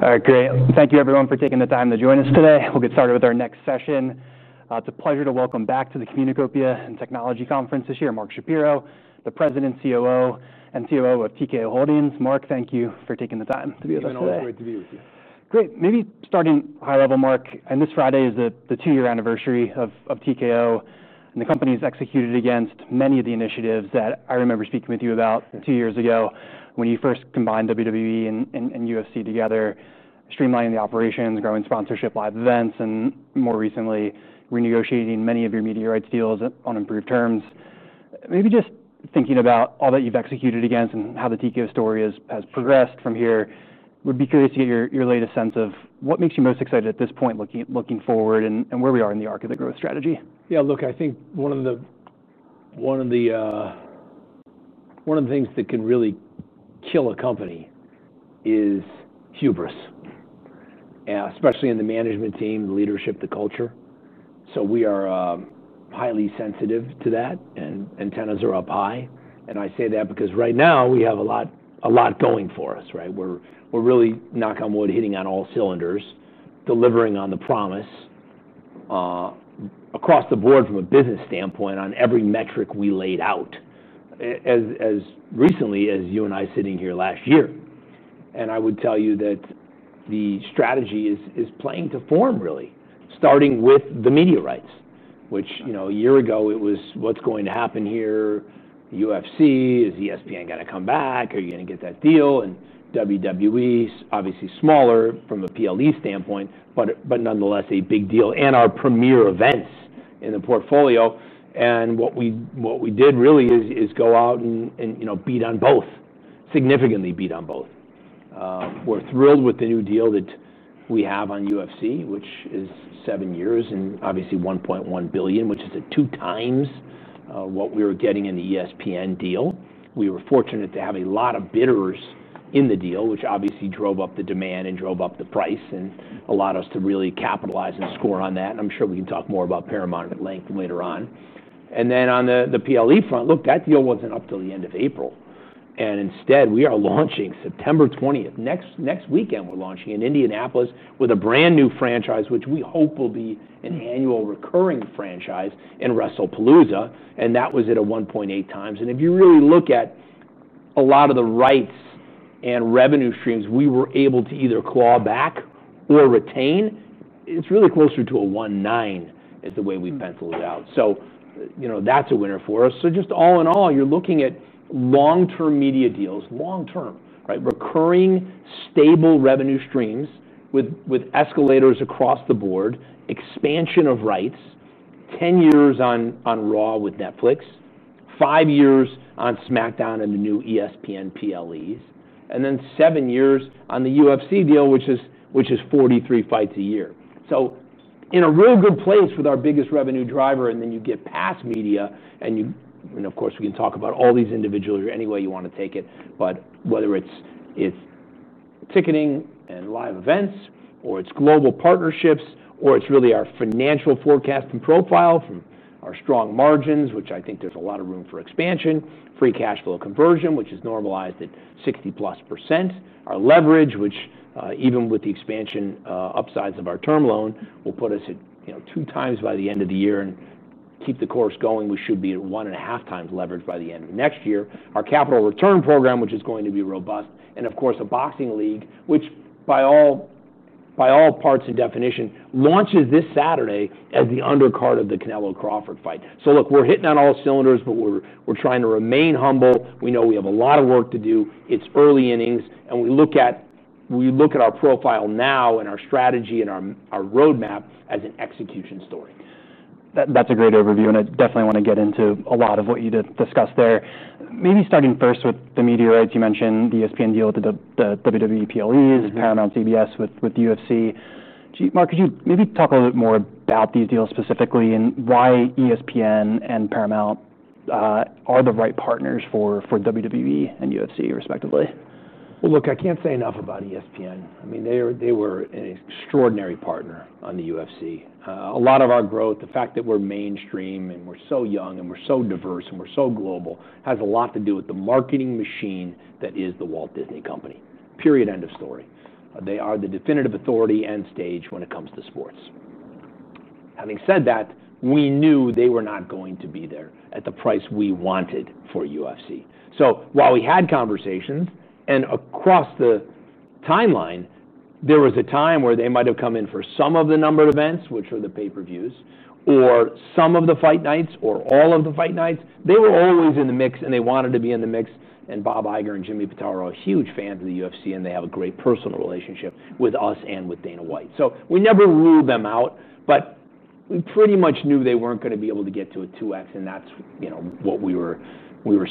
All right, great. Thank you, everyone, for taking the time to join us today. We'll get started with our next session. It's a pleasure to welcome back to the Communicopia and Technology Conference this year, Mark Shapiro, the President and COO of TKO Group Holdings. Mark, thank you for taking the time to be with us today. It's been great to be with you. Great. Maybe starting high level, Mark, and this Friday is the two-year anniversary of TKO, and the company's executed against many of the initiatives that I remember speaking with you about two years ago when you first combined WWE and UFC together, streamlining the operations, growing sponsorship, live events, and more recently, renegotiating many of your media rights deals on improved terms. Maybe just thinking about all that you've executed against and how the TKO story has progressed from here, we'd be curious to get your latest sense of what makes you most excited at this point, looking forward, and where we are in the arc of the growth strategy. Yeah, look, I think one of the things that can really kill a company is hubris, especially in the management team, the leadership, the culture. We are highly sensitive to that, and antennas are up high. I say that because right now we have a lot going for us, right? We're really, knock on wood, hitting on all cylinders, delivering on the promise across the board from a business standpoint on every metric we laid out, as recently as you and I sitting here last year. I would tell you that the strategy is playing to form, really, starting with the media rights, which, you know, a year ago it was, what's going to happen here? UFC, is ESPN going to come back? Are you going to get that deal? WWE, obviously smaller from a PLE standpoint, but nonetheless a big deal and our premier events in the portfolio. What we did really is go out and beat on both, significantly beat on both. We're thrilled with the new deal that we have on UFC, which is seven years and obviously $1.1 billion, which is at two times what we were getting in the ESPN deal. We were fortunate to have a lot of bidders in the deal, which obviously drove up the demand and drove up the price and allowed us to really capitalize and score on that. I'm sure we can talk more about Paramount+ at length later on. On the PLE front, that deal wasn't up till the end of April. Instead, we are launching September 20th, next weekend, we're launching in Indianapolis with a brand new franchise, which we hope will be an annual recurring franchise in Wrestlepalooza. That was at a 1.8x. If you really look at a lot of the rights and revenue streams we were able to either claw back or retain, it's really closer to a 1.9 the way we penciled it out. You know that's a winner for us. All in all, you're looking at long-term media deals, long-term, right? Recurring stable revenue streams with escalators across the board, expansion of rights, 10 years on Raw with Netflix, five years on SmackDown and the new ESPN PLEs, and then seven years on the UFC deal, which is 43 fights a year. We are in a real good place with our biggest revenue driver, and then you get past media, and of course we can talk about all these individually or any way you want to take it, whether it's ticketing and live events, or it's global partnerships, or it's really our financial forecast and profile from our strong margins, which I think there's a lot of room for expansion, free cash flow conversion, which is normalized at 60%+, our leverage, which even with the expansion upsides of our term loan will put us at 2x by the end of the year and keep the course going. We should be at 1.5x leverage by the end of next year, our capital return program, which is going to be robust, and of course a boxing league, which by all parts and definition launches this Saturday as the undercard of the Canelo Crawford fight. We are hitting on all cylinders, but we're trying to remain humble. We know we have a lot of work to do. It's early innings, and we look at our profile now and our strategy and our roadmap as an execution story. That's a great overview, and I definitely want to get into a lot of what you discussed there. Maybe starting first with the media rights, you mentioned the ESPN deal with the WWE PLEs, Paramount+'s CBS with the UFC. Mark, could you maybe talk a little bit more about these deals specifically and why ESPN and Paramount+ are the right partners for WWE and UFC respectively? I can't say enough about ESPN. They were an extraordinary partner on the UFC. A lot of our growth, the fact that we're mainstream and we're so young and we're so diverse and we're so global, has a lot to do with the marketing machine that is the Walt Disney Company. Period, end of story. They are the definitive authority end stage when it comes to sports. Having said that, we knew they were not going to be there at the price we wanted for UFC. While we had conversations and across the timeline, there was a time where they might have come in for some of the number of events, which are the pay-per-views, or some of the fight nights or all of the fight nights. They were always in the mix, and they wanted to be in the mix. Bob Iger and Jimmy Pitaro are huge fans of the UFC, and they have a great personal relationship with us and with Dana White. We never ruled them out, but we pretty much knew they weren't going to be able to get to a 2X, and that's what we were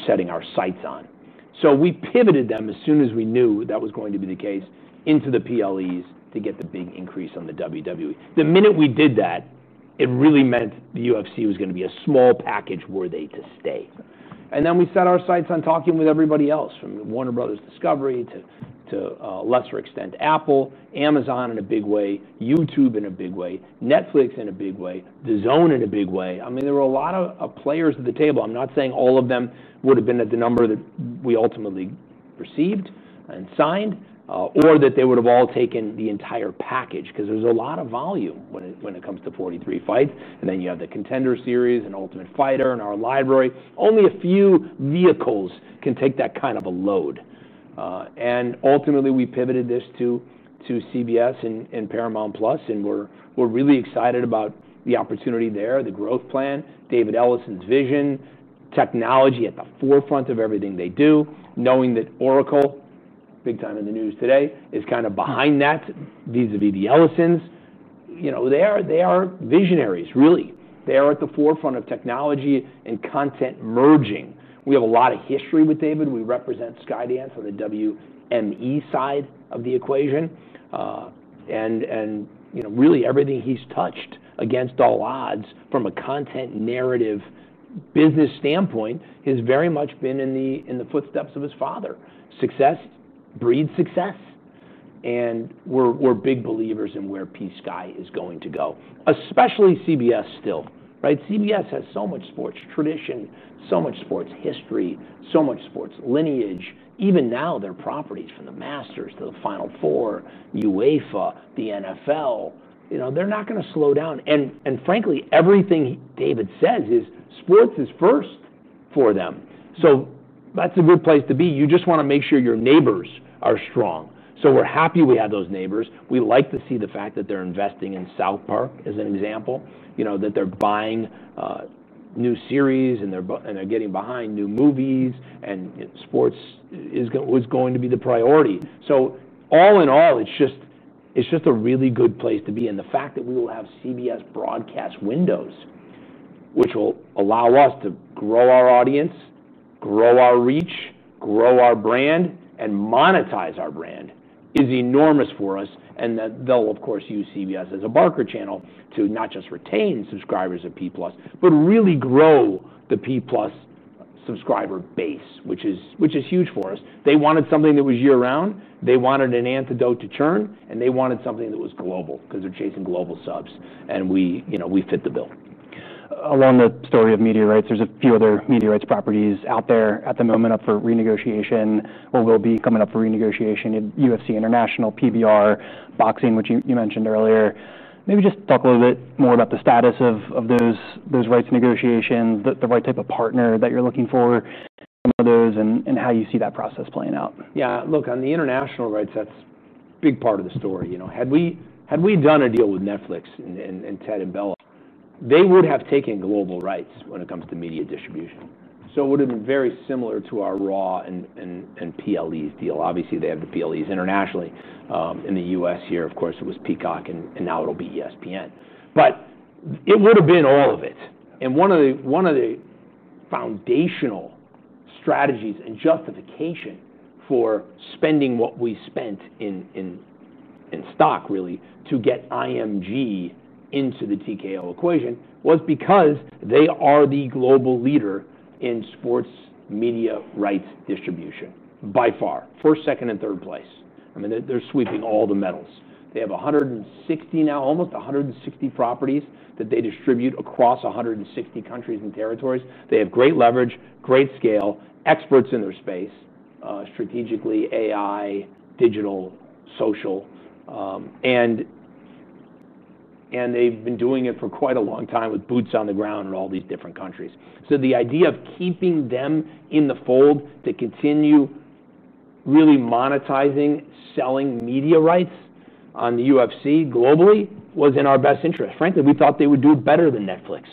setting our sights on. We pivoted them as soon as we knew that was going to be the case into the PLEs to get the big increase on the WWE. The minute we did that, it really meant the UFC was going to be a small package worthy to stay. We set our sights on talking with everybody else from Warner Brothers Discovery, to a lesser extent Apple, Amazon in a big way, YouTube in a big way, Netflix in a big way, DAZN in a big way. There were a lot of players at the table. I'm not saying all of them would have been at the number that we ultimately received and signed or that they would have all taken the entire package because there's a lot of volume when it comes to 43 fights. You have the Contender Series and Ultimate Fighter and our library. Only a few vehicles can take that kind of a load. Ultimately, we pivoted this to CBS and Paramount+, and we're really excited about the opportunity there, the growth plan, David Ellison's vision, technology at the forefront of everything they do, knowing that Oracle, big time in the news today, is kind of behind that vis-à-vis the Ellisons. They are visionaries, really. They are at the forefront of technology and content merging. We have a lot of history with David. We represent Skydance on the WME side of the equation. Everything he's touched against all odds from a content narrative business standpoint has very much been in the footsteps of his father. Success breeds success. We are big believers in where PSKY is going to go, especially CBS still. CBS has so much sports tradition, so much sports history, so much sports lineage. Even now, their properties from the Masters to the Final Four, UEFA, the NFL, you know, they're not going to slow down. Frankly, everything David says is sports is first for them. That is a good place to be. You just want to make sure your neighbors are strong. We are happy we have those neighbors. We like to see the fact that they're investing in South Park as an example, that they're buying new series and they're getting behind new movies and sports is going to be the priority. All in all, it's just a really good place to be. The fact that we will have CBS broadcast windows, which will allow us to grow our audience, grow our reach, grow our brand, and monetize our brand is enormous for us. They will, of course, use CBS as a barker channel to not just retain subscribers of Paramount+, but really grow the Paramount+ subscriber base, which is huge for us. They wanted something that was year-round. They wanted an antidote to churn, and they wanted something that was global because they're chasing global subs. We fit the bill. Along the story of media rights, there's a few other media rights properties out there at the moment up for renegotiation or will be coming up for renegotiation: UFC International, PBR, Boxing, which you mentioned earlier. Maybe just talk a little bit more about the status of those rights negotiations, the right type of partner that you're looking for, some of those, and how you see that process playing out. Yeah, look, on the international rights, that's a big part of the story. Had we done a deal with Netflix and Ted and Bela, they would have taken global rights when it comes to media distribution. It would have been very similar to our Raw and PLEs deal. Obviously, they have the PLEs internationally. In the U.S. here, of course, it was Peacock, and now it'll be ESPN. It would have been all of it. One of the foundational strategies and justification for spending what we spent in stock, really, to get IMG into the TKO equation was because they are the global leader in sports media rights distribution by far, first, second, and third place. They're sweeping all the medals. They have 160, now almost 160 properties that they distribute across 160 countries and territories. They have great leverage, great scale, experts in their space, strategically, AI, digital, social. They've been doing it for quite a long time with boots on the ground in all these different countries. The idea of keeping them in the fold to continue really monetizing, selling media rights on the UFC globally was in our best interest. Frankly, we thought they would do better than Netflix.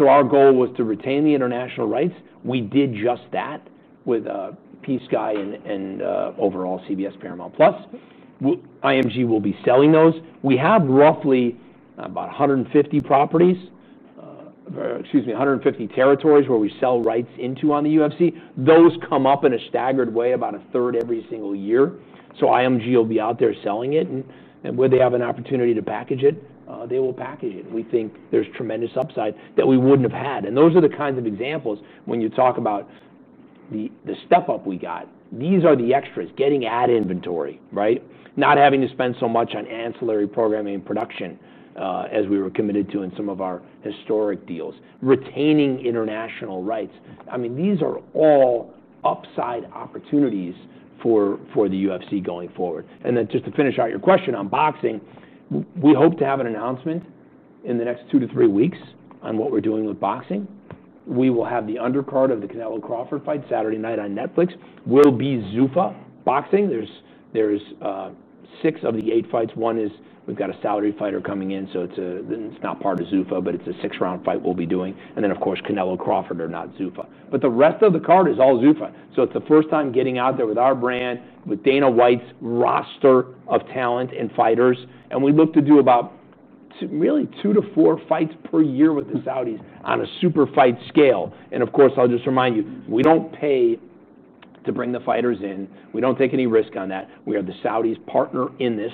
Our goal was to retain the international rights. We did just that with PSKY and overall CBS, Paramount+, IMG will be selling those. We have roughly about 150 properties, excuse me, 150 territories where we sell rights into on the UFC. Those come up in a staggered way, about 1/3 every single year. IMG will be out there selling it. Where they have an opportunity to package it, they will package it. We think there's tremendous upside that we wouldn't have had. These are the kinds of examples when you talk about the step-up we got. These are the extras, getting ad inventory, right? Not having to spend so much on ancillary programming and production as we were committed to in some of our historic deals, retaining international rights. These are all upside opportunities for the UFC going forward. Just to finish out your question on boxing, we hope to have an announcement in the next two to three weeks on what we're doing with boxing. We will have the undercard of the Canelo Crawford fight Saturday night on Netflix. We'll be Zuffa Boxing. There's six of the eight fights. One is we've got a salary fighter coming in. It's not part of Zuffa, but it's a six-round fight we'll be doing. Of course, Canelo Crawford are not Zuffa. The rest of the card is all Zuffa. It's the first time getting out there with our brand, with Dana White's roster of talent and fighters. We look to do about really two to four fights per year with the Saudis on a super fight scale. Of course, I'll just remind you, we don't pay to bring the fighters in. We don't take any risk on that. We are the Saudis' partner in this.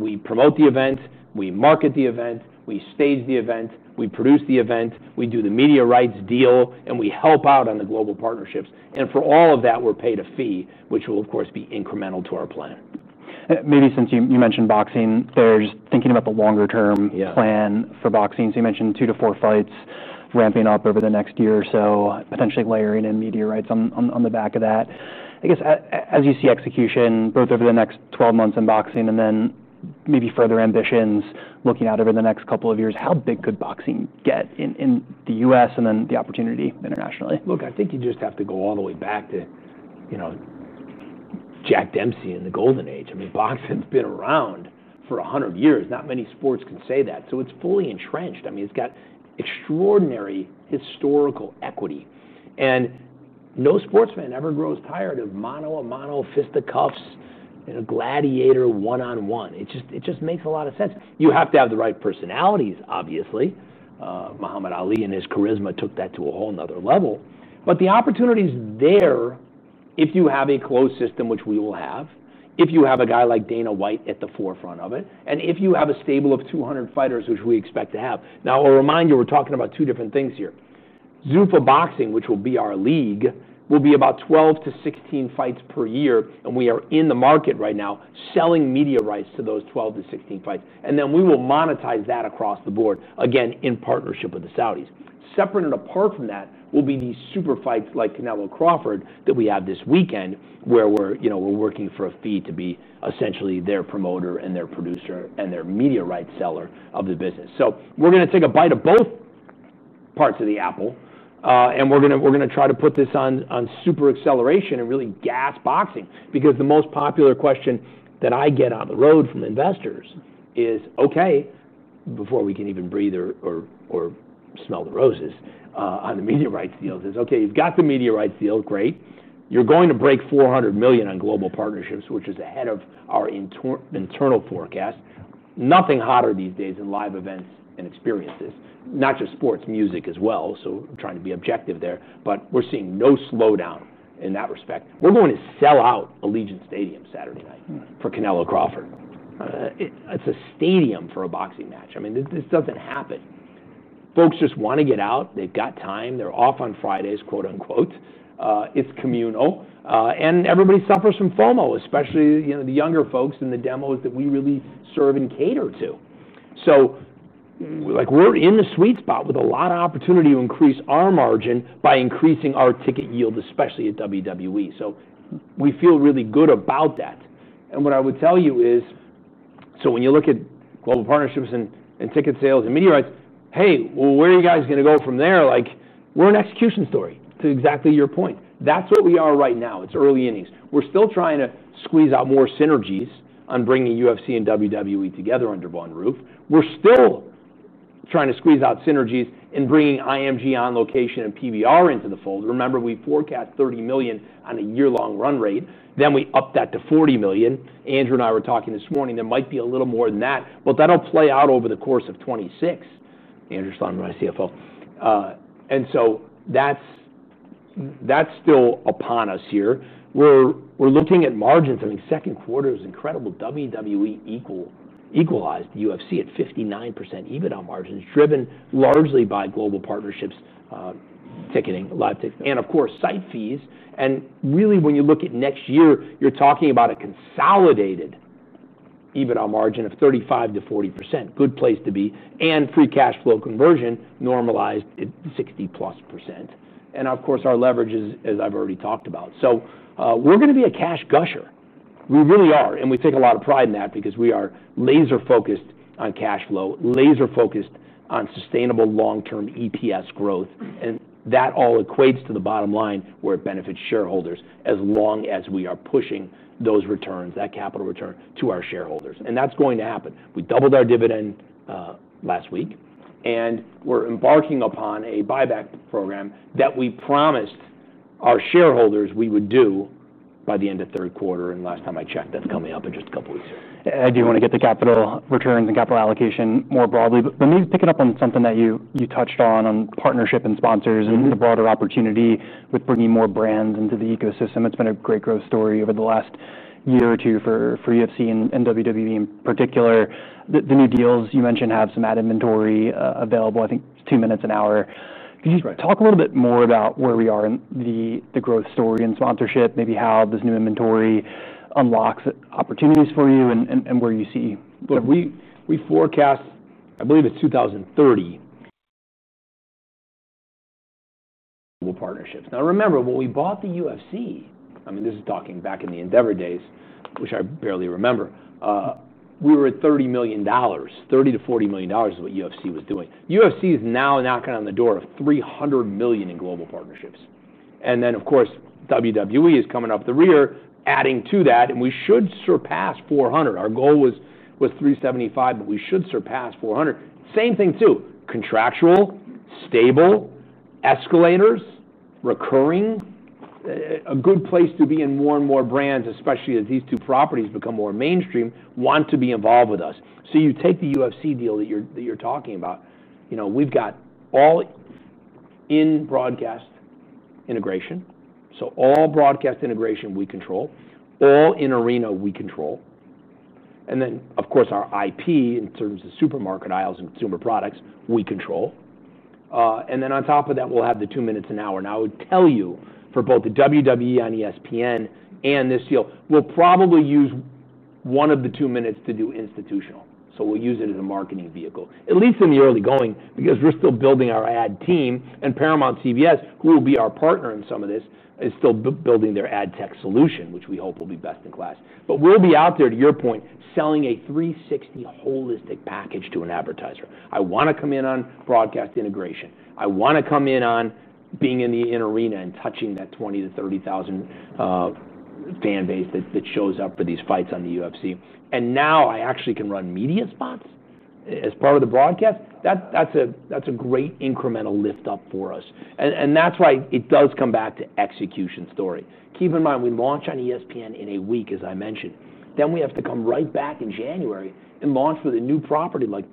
We promote the event, we market the event, we stage the event, we produce the event, we do the media rights deal, and we help out on the global partnerships. For all of that, we're paid a fee, which will, of course, be incremental to our plan. Maybe since you mentioned boxing, thinking about the longer-term plan for boxing. You mentioned two to four fights ramping up over the next year, potentially layering in media rights on the back of that. As you see execution both over the next 12 months in boxing and then further ambitions looking out over the next couple of years, how big could boxing get in the U.S. and then the opportunity internationally? Look, I think you just have to go all the way back to Jack Dempsey in the Golden Age. I mean, boxing's been around for 100 years. Not many sports can say that. It's fully entrenched. It's got extraordinary historical equity. No sportsman ever grows tired of mano a mano, fist to cuffs, and a gladiator one-on-one. It just makes a lot of sense. You have to have the right personalities, obviously. Muhammad Ali and his charisma took that to a whole nother level. The opportunity is there if you have a closed system, which we will have, if you have a guy like Dana White at the forefront of it, and if you have a stable of 200 fighters, which we expect to have. Now, I'll remind you, we're talking about two different things here. Zuffa Boxing, which will be our league, will be about 12-16 fights per year. We are in the market right now selling media rights to those 12-16 fights. We will monetize that across the board, again, in partnership with the Saudis. Separate and apart from that will be these super fights like Canelo Crawford that we have this weekend where we're working for a fee to be essentially their promoter and their producer and their media rights seller of the business. We're going to take a bite of both parts of the apple. We're going to try to put this on super acceleration and really gas boxing because the most popular question that I get on the road from investors is, OK, before we can even breathe or smell the roses on the media rights deals, is, OK, you've got the media rights deal, great. You're going to break $400 million on global partnerships, which is ahead of our internal forecast. Nothing hotter these days in live events and experiences, not just sports, music as well. I'm trying to be objective there. We're seeing no slowdown in that respect. We're going to sell out Allegiant Stadium Saturday night for Canelo Crawford. It's a stadium for a boxing match. I mean, this doesn't happen. Folks just want to get out. They've got time. They're off on Fridays, quote unquote. It's communal. Everybody suffers from FOMO, especially the younger folks in the demos that we really serve and cater to. We're in the sweet spot with a lot of opportunity to increase our margin by increasing our ticket yield, especially at WWE. We feel really good about that. What I would tell you is, when you look at global partnerships and ticket sales and media rights, hey, where are you guys going to go from there? We're an execution story to exactly your point. That's what we are right now. It's early innings. We're still trying to squeeze out more synergies on bringing UFC and WWE together under one roof. We're still trying to squeeze out synergies in bringing IMG, On Location, and PBR into the fold. Remember, we forecast $30 million on a year-long run rate. Then we upped that to $40 million. Andrew and I were talking this morning. There might be a little more than that. That'll play out over the course of 2026. Andrew Schleimer is my CFO. That's still upon us here. We're looking at margins. I mean, second quarter is incredible. WWE equalized the UFC at 59% EBITDA margins, driven largely by global partnerships, ticketing, live ticketing, and of course, site fees. Really, when you look at next year, you're talking about a consolidated EBITDA margin of 35%-40%. Good place to be. Free cash flow conversion normalized at 60%+. Of course, our leverage is, as I've already talked about. We're going to be a cash gusher. We really are. We take a lot of pride in that because we are laser-focused on cash flow, laser-focused on sustainable long-term EPS growth. That all equates to the bottom line where it benefits shareholders as long as we are pushing those returns, that capital return to our shareholders. That's going to happen. We doubled our dividend last week. We're embarking upon a buyback program that we promised our shareholders we would do by the end of third quarter. Last time I checked, that's coming up in just a couple of weeks. I do want to get to the capital returns and capital allocation more broadly. Maybe picking up on something that you touched on, on partnership and sponsors and the broader opportunity with bringing more brands into the ecosystem. It's been a great growth story over the last year or two for UFC and WWE in particular. The new deals you mentioned have some ad inventory available. I think it's two minutes an hour. Could you talk a little bit more about where we are in the growth story and sponsorship, maybe how this new inventory unlocks opportunities for you and where you see? Look, we forecast, I believe it's 2030 global partnerships. Now remember, when we bought the UFC, I mean, this is talking back in the Endeavor days, which I barely remember, we were at $30 million, $30 million-$40 million is what UFC was doing. UFC is now knocking on the door of $300 million in global partnerships. Of course, WWE is coming up the rear, adding to that. We should surpass $400 million. Our goal was $375 million, but we should surpass $400 million. Same thing too. Contractual, stable, escalators, recurring, a good place to be in. More and more brands, especially as these two properties become more mainstream, want to be involved with us. You take the UFC deal that you're talking about. We've got all in broadcast integration. All broadcast integration we control. All in arena we control. Of course, our IP in terms of supermarket aisles and consumer products we control. On top of that, we'll have the two minutes an hour. I would tell you, for both the WWE on ESPN and this deal, we'll probably use one of the two minutes to do institutional. We'll use it as a marketing vehicle, at least in the early going, because we're still building our ad team. Paramount and CBS, who will be our partner in some of this, are still building their ad tech solution, which we hope will be best in class. We'll be out there, to your point, selling a 360 holistic package to an advertiser. I want to come in on broadcast integration. I want to come in on being in the in arena and touching that 20,000-30,000 fan base that shows up for these fights on the UFC. Now I actually can run media spots as part of the broadcast. That's a great incremental lift up for us. That is why it does come back to execution story. Keep in mind, we launch on ESPN in a week, as I mentioned. We have to come right back in January and launch with a new property like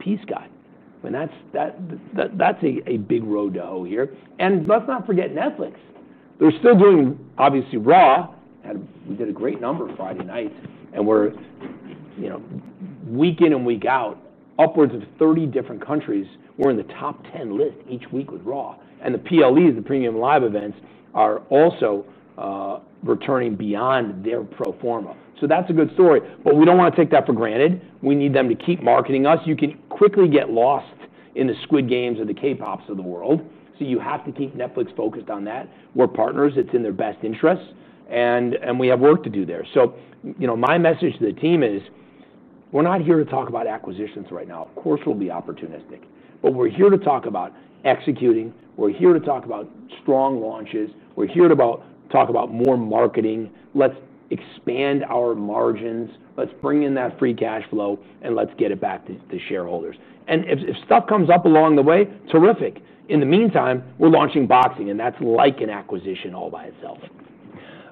PSKY. That's a big row to hoe here. Let's not forget Netflix. They're still doing, obviously, Raw. We did a great number of Friday nights. We're, you know, week in and week out, upwards of 30 different countries. We're in the top 10 list each week with Raw. The PLEs, the premium live events, are also returning beyond their pro forma. That's a good story. We don't want to take that for granted. We need them to keep marketing us. You can quickly get lost in the Squid Games of the K-pops of the world. You have to keep Netflix focused on that. We're partners. It's in their best interests. We have work to do there. My message to the team is we're not here to talk about acquisitions right now. Of course, we'll be opportunistic, but we're here to talk about executing. We're here to talk about strong launches. We're here to talk about more marketing. Let's expand our margins. Let's bring in that free cash flow and let's get it back to shareholders. If stuff comes up along the way, terrific. In the meantime, we're launching boxing, and that's like an acquisition all by itself.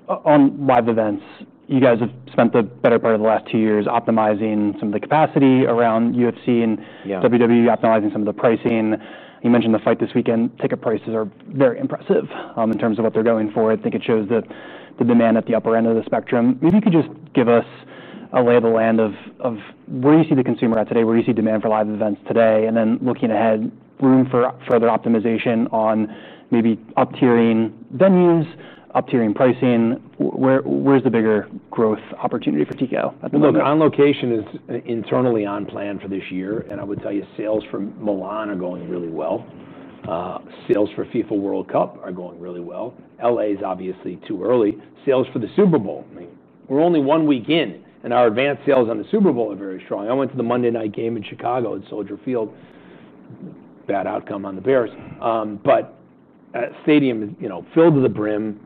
On live events, you guys have spent the better part of the last two years optimizing some of the capacity around UFC and WWE, optimizing some of the pricing. You mentioned the fight this weekend. Ticket prices are very impressive in terms of what they're going for. I think it shows the demand at the upper end of the spectrum. Maybe you could just give us a lay of the land of where you see the consumer at today, where you see demand for live events today, and then looking ahead, room for further optimization on maybe up-tiering venues, up-tiering pricing. Where's the bigger growth opportunity for TKO Group Holdings at the moment? On Location is internally on plan for this year. I would tell you sales for Milan are going really well. Sales for FIFA World Cup are going really well. LA is obviously too early. Sales for the Super Bowl, we're only one week in, and our advanced sales on the Super Bowl are very strong. I went to the Monday night game in Chicago at Soldier Field. Bad outcome on the Bears, but stadium is filled to the brim.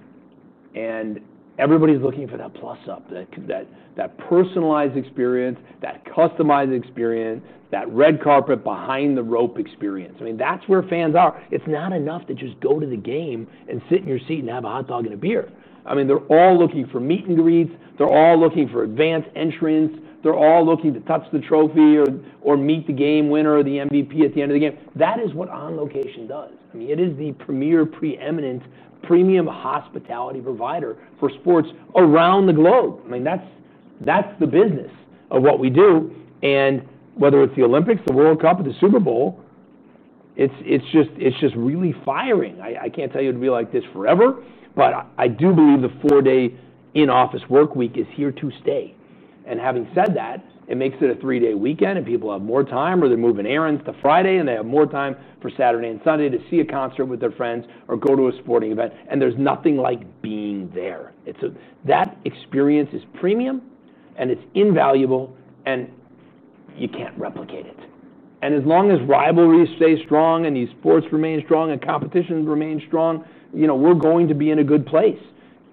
Everybody's looking for that plus up, that personalized experience, that customized experience, that red carpet behind the rope experience. That's where fans are. It's not enough to just go to the game and sit in your seat and have a hot dog and a beer. They're all looking for meet and greets. They're all looking for advanced entrants. They're all looking to touch the trophy or meet the game winner or the MVP at the end of the game. That is what On Location does. It is the premier, preeminent, premium hospitality provider for sports around the globe. That's the business of what we do. Whether it's the Olympics, the World Cup, or the Super Bowl, it's just really firing. I can't tell you it'd be like this forever. I do believe the four-day in-office work week is here to stay. Having said that, it makes it a three-day weekend, and people have more time, or they're moving errands to Friday, and they have more time for Saturday and Sunday to see a concert with their friends or go to a sporting event. There's nothing like being there. That experience is premium, and it's invaluable, and you can't replicate it. As long as rivalries stay strong and these sports remain strong and competition remains strong, we're going to be in a good place.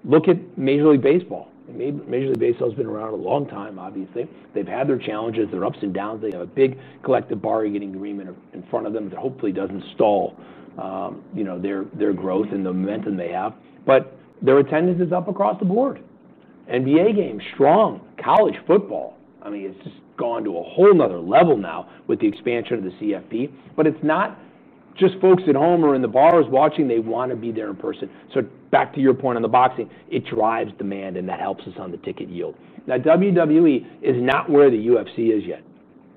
Look at Major League Baseball. Major League Baseball has been around a long time, obviously. They've had their challenges, their ups and downs. They have a big collective bargaining agreement in front of them that hopefully doesn't stall their growth and the momentum they have. Their attendance is up across the board. NBA games, strong college football. It's just gone to a whole nother level now with the expansion of the CFP. It's not just folks at home or in the bars watching. They want to be there in person. Back to your point on the boxing, it drives demand, and that helps us on the ticket yield. Now, WWE is not where the UFC is yet,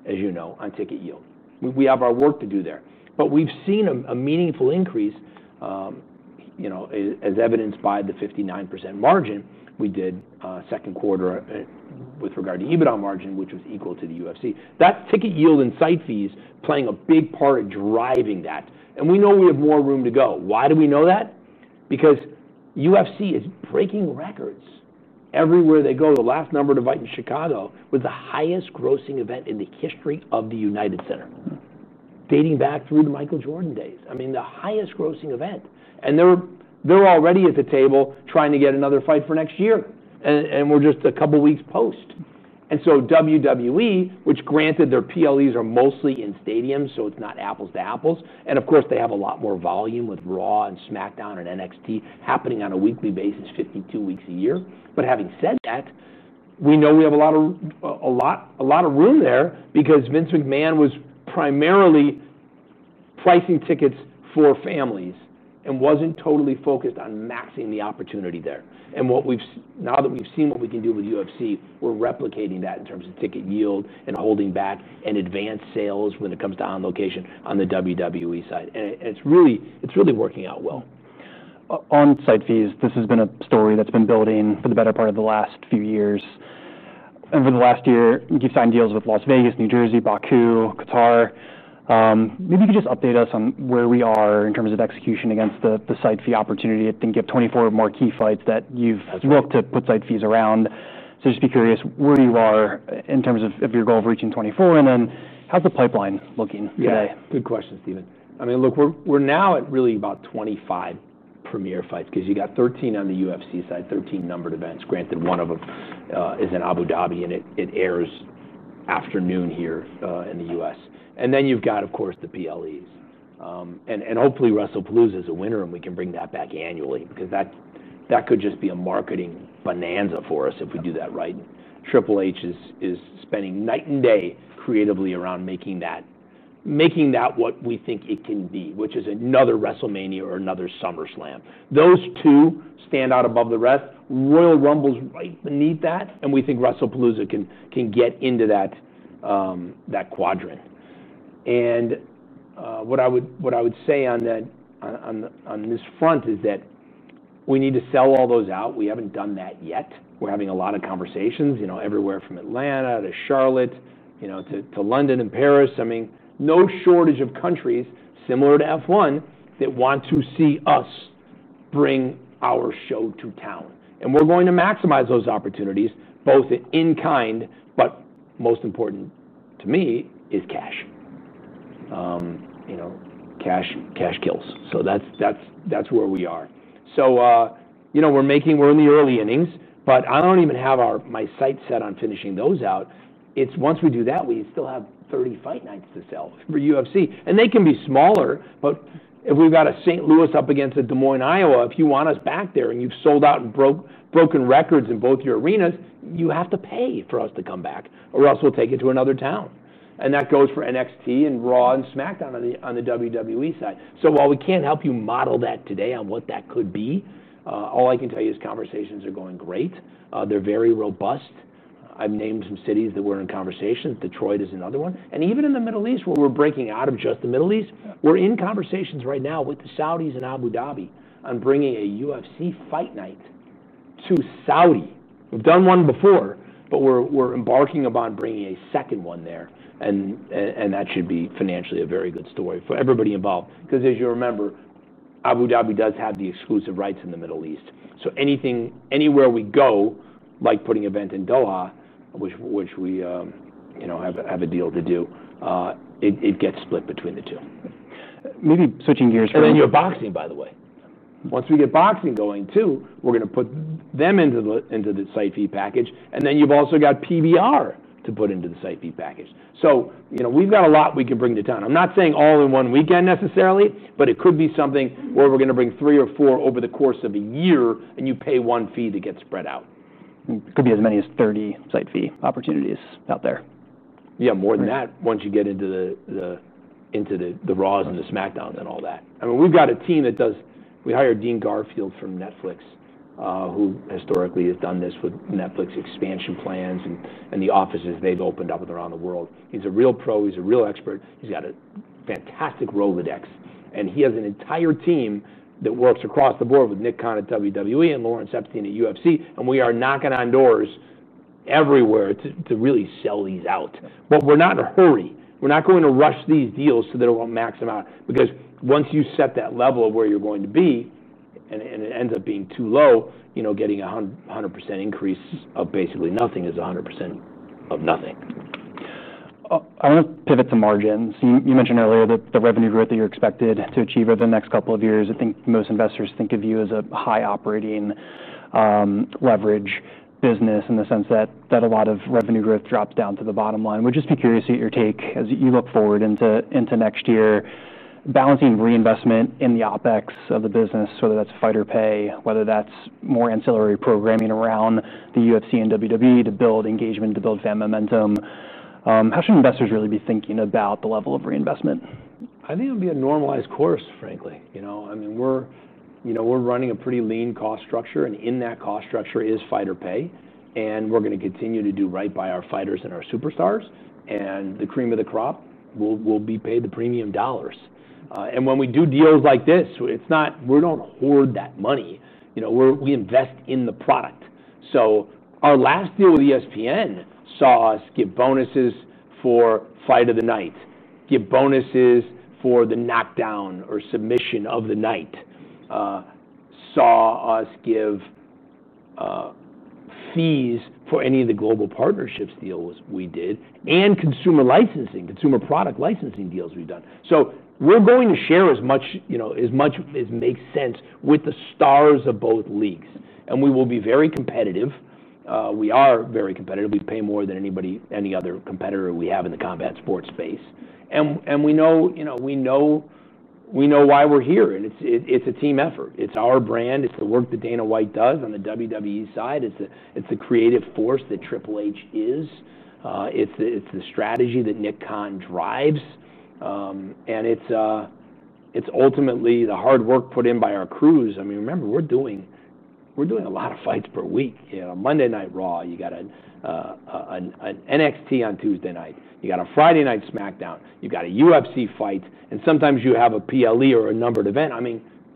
as you know, on ticket yield. We have our work to do there. We've seen a meaningful increase, as evidenced by the 59% margin we did second quarter with regard to EBITDA margin, which was equal to the UFC. That's ticket yield and site fees playing a big part in driving that. We know we have more room to go. Why do we know that? UFC is breaking records everywhere they go. The last numbered fight in Chicago was the highest grossing event in the history of the United Center, dating back through the Michael Jordan days. I mean, the highest grossing event. They're already at the table trying to get another fight for next year. We're just a couple of weeks post. WWE, which granted their PLEs are mostly in stadiums, so it's not apples to apples. Of course, they have a lot more volume with Raw and SmackDown and NXT happening on a weekly basis, 52 weeks a year. Having said that, we know we have a lot of room there because Vince McMahon was primarily pricing tickets for families and wasn't totally focused on maxing the opportunity there. Now that we've seen what we can do with UFC, we're replicating that in terms of ticket yield and holding back and advanced sales when it comes to On Location on the WWE side. It's really working out well. On site fees, this has been a story that's been building for the better part of the last few years. Over the last year, you've signed deals with Las Vegas, New Jersey, Baku, Qatar. Maybe you could just update us on where we are in terms of execution against the site fee opportunity. I think you have 24 more key fights that you've looked to put site fees around. Just be curious where you are in terms of your goal of reaching 24. How's the pipeline looking today? Yeah, good question, Stephen. I mean, look, we're now at really about 25 premier fights because you've got 13 on the UFC side, 13 numbered events. Granted, one of them is in Abu Dhabi, and it airs afternoon here in the U.S. You've got, of course, the PLEs. Hopefully, Wrestlepalooza is a winner, and we can bring that back annually because that could just be a marketing bonanza for us if we do that right. Triple H is spending night and day creatively around making that what we think it can be, which is another WrestleMania or another SummerSlam. Those two stand out above the rest. Royal Rumble's right beneath that. We think Wrestlepalooza can get into that quadrant. What I would say on this front is that we need to sell all those out. We haven't done that yet. We're having a lot of conversations, everywhere from Atlanta to Charlotte, to London and Paris. No shortage of countries similar to F1 that want to see us bring our show to town. We're going to maximize those opportunities, both in kind, but most important to me is cash. Cash kills. That's where we are. We're making, we're in the early innings, but I don't even have my sights set on finishing those out. Once we do that, we still have 30 fight nights to sell for UFC. They can be smaller, but if we've got a St. Louis up against a Des Moines, Iowa, if you want us back there and you've sold out and broken records in both your arenas, you have to pay for us to come back, or else we'll take it to another town. That goes for NXT and Raw and SmackDown on the WWE side. While we can't help you model that today on what that could be, all I can tell you is conversations are going great. They're very robust. I've named some cities that we're in conversation. Detroit is another one. Even in the Middle East, where we're breaking out of just the Middle East, we're in conversations right now with the Saudis in Abu Dhabi on bringing a UFC fight night to Saudi Arabia. We've done one before, but we're embarking upon bringing a second one there. That should be financially a very good story for everybody involved. As you remember, Abu Dhabi does have the exclusive rights in the Middle East. Anywhere we go, like putting an event in Doha, which we have a deal to do, it gets split between the two. Maybe switching gears for a minute. Once we get boxing going too, we're going to put them into the site fee package. You've also got PBR to put into the site fee package. We've got a lot we can bring to town. I'm not saying all in one weekend necessarily, but it could be something where we're going to bring three or four over the course of a year, and you pay one fee to get spread out. It could be as many as 30 site fee opportunities out there. Yeah, more than that once you get into the Raws and the SmackDowns and all that. We've got a team that does, we hired Dean Garfield from Netflix, who historically has done this with Netflix expansion plans and the offices they've opened up around the world. He's a real pro. He's a real expert. He's got a fantastic Rolodex. He has an entire team that works across the board with Nick Khan at WWE and Lawrence Epstein at UFC. We are knocking on doors everywhere to really sell these out. We are not in a hurry. We are not going to rush these deals so that it won't max them out. Because once you set that level of where you're going to be, and it ends up being too low, getting a 100% increase of basically nothing is 100% of nothing. I want to pivot to margins. You mentioned earlier that the revenue growth that you're expected to achieve over the next couple of years, I think most investors think of you as a high operating leverage business in the sense that a lot of revenue growth drops down to the bottom line. We'd just be curious to get your take as you look forward into next year, balancing reinvestment in the OpEx of the business, whether that's fighter pay, whether that's more ancillary programming around the UFC and WWE to build engagement, to build fan momentum. How should investors really be thinking about the level of reinvestment? I think it would be a normalized course, frankly. We're running a pretty lean cost structure, and in that cost structure is fighter pay. We're going to continue to do right by our fighters and our superstars, and the cream of the crop will be paid the premium dollars. When we do deals like this, we don't hoard that money. We invest in the product. Our last deal with ESPN saw us give bonuses for Fight of the Night, give bonuses for the knockdown or submission of the night, saw us give fees for any of the global partnerships deals we did, and consumer licensing, consumer product licensing deals we've done. We're going to share as much as makes sense with the stars of both leagues, and we will be very competitive. We are very competitive. We pay more than any other competitor we have in the combat sports space, and we know why we're here. It's a team effort. It's our brand. It's the work that Dana White does on the WWE side. It's the creative force that Triple H is. It's the strategy that Nick Khan drives, and it's ultimately the hard work put in by our crews. Remember, we're doing a lot of fights per week. Monday Night Raw, you've got an NXT on Tuesday night, you've got a Friday night SmackDown, you've got a UFC fight, and sometimes you have a PLE or a numbered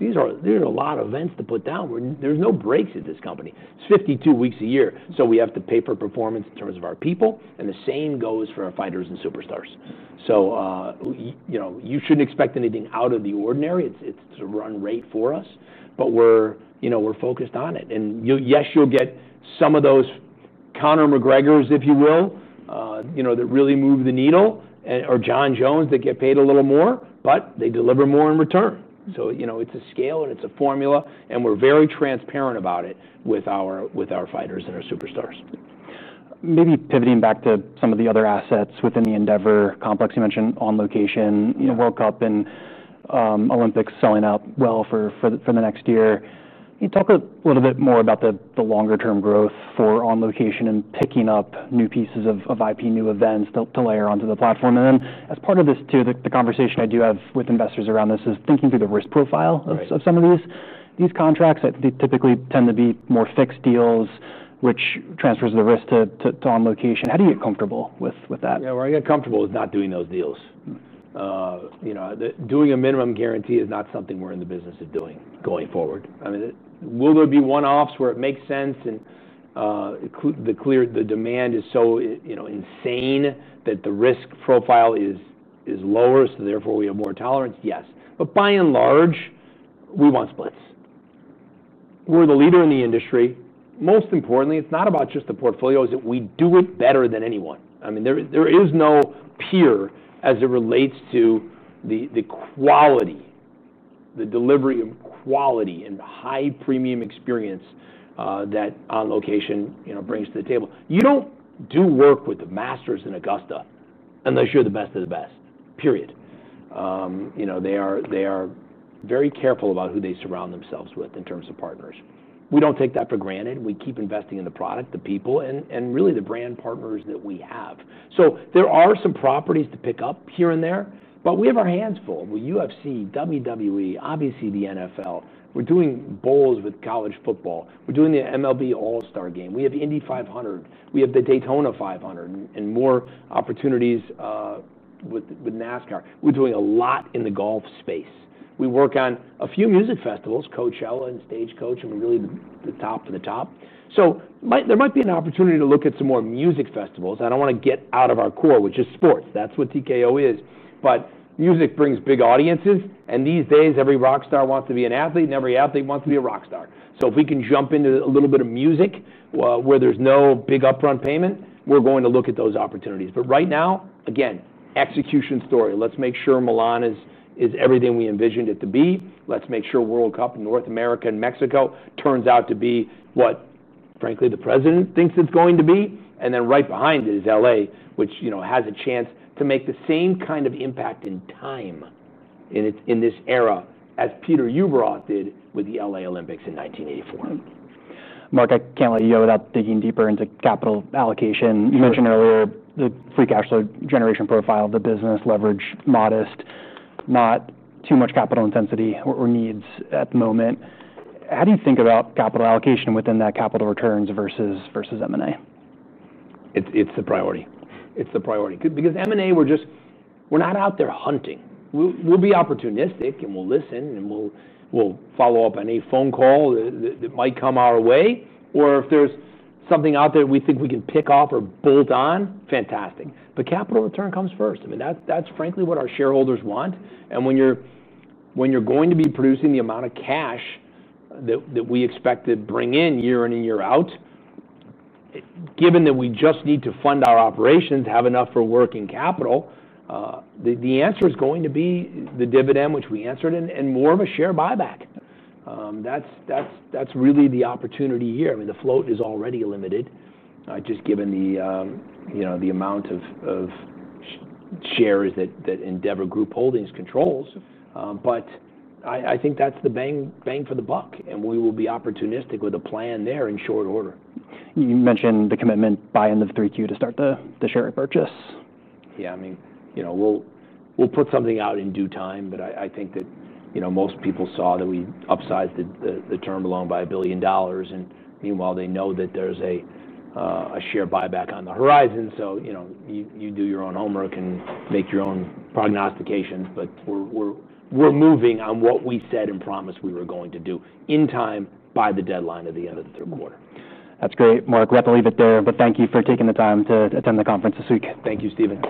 event. There's a lot of events to put down. There's no breaks at this company. It's 52 weeks a year. We have to pay for performance in terms of our people, and the same goes for our fighters and superstars. You shouldn't expect anything out of the ordinary. It's to run rate for us. We're focused on it. Yes, you'll get some of those Conor McGregors, if you will, that really move the needle, or Jon Jones that get paid a little more, but they deliver more in return. It's a scale, and it's a formula, and we're very transparent about it with our fighters and our superstars. Maybe pivoting back to some of the other assets within the Endeavor complex, you mentioned On Location, you know, World Cup and Olympics selling out well for the next year. Talk a little bit more about the longer-term growth for On Location and picking up new pieces of IP, new events to layer onto the platform. As part of this too, the conversation I do have with investors around this is thinking through the risk profile of some of these contracts. They typically tend to be more fixed deals, which transfers the risk to On Location. How do you get comfortable with that? Yeah, where I get comfortable is not doing those deals. You know, doing a minimum guarantee is not something we're in the business of doing going forward. I mean, will there be one-offs where it makes sense? The demand is so, you know, insane that the risk profile is lower, so therefore we have more tolerance? Yes. By and large, we want splits. We're the leader in the industry. Most importantly, it's not about just the portfolio. We do it better than anyone. There is no peer as it relates to the quality, the delivery of quality, and the high premium experience that On Location brings to the table. You don't do work with the Masters in Augusta unless you're the best of the best, period. They are very careful about who they surround themselves with in terms of partners. We don't take that for granted. We keep investing in the product, the people, and really the brand partners that we have. There are some properties to pick up here and there, but we have our hands full. We're UFC, WWE, obviously the NFL. We're doing bowls with college football. We're doing the MLB All-Star Game. We have Indy 500. We have the Daytona 500 and more opportunities with NASCAR. We're doing a lot in the golf space. We work on a few music festivals, Coachella and Stagecoach, and we're really the top of the top. There might be an opportunity to look at some more music festivals. I don't want to get out of our core, which is sports. That's what TKO is. Music brings big audiences. These days, every rock star wants to be an athlete, and every athlete wants to be a rock star. If we can jump into a little bit of music where there's no big upfront payment, we're going to look at those opportunities. Right now, again, execution story. Let's make sure Milan is everything we envisioned it to be. Let's make sure World Cup in North America and Mexico turns out to be what, frankly, the President thinks it's going to be. Right behind it is LA, which has a chance to make the same kind of impact in time in this era as Peter Ueberroth did with the LA Olympics in 1984. Mark, I can't let you go without digging deeper into capital allocation. You mentioned earlier the free cash flow generation profile of the business, leverage modest, not too much capital intensity or needs at the moment. How do you think about capital allocation within that, capital returns versus M&A? It's the priority. It's the priority. Because M&A, we're just not out there hunting. We'll be opportunistic, we'll listen, and we'll follow up on any phone call that might come our way. If there's something out there we think we can pick off or bolt on, fantastic. Capital return comes first. I mean, that's frankly what our shareholders want. When you're going to be producing the amount of cash that we expect to bring in year in and year out, given that we just need to fund our operations, have enough for working capital, the answer is going to be the dividend, which we answered, and more of a share buyback. That's really the opportunity here. The float is already limited, just given the amount of shares that Endeavor Group Holdings controls. I think that's the bang for the buck. We will be opportunistic with a plan there in short order. You mentioned the commitment by end of 3Q to start the share repurchase. Yeah, I mean, we'll put something out in due time. I think that most people saw that we upsized the term loan by $1 billion. Meanwhile, they know that there's a share buyback on the horizon. You do your own homework and make your own prognostications. We're moving on what we said and promised we were going to do in time by the deadline at the end of the third quarter. That's great, Mark. We have to leave it there, but thank you for taking the time to attend the conference this week. Thank you, Stephen.